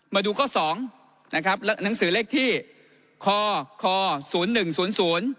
มาดูข้อสองนะครับและหนังสือเลขที่คอคอศูนย์หนึ่งศูนย์ศูนย์